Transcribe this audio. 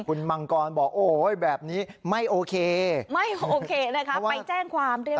คุณมังกรบอกโอ้โหแบบนี้ไม่โอเคไม่โอเคนะคะไปแจ้งความเรียก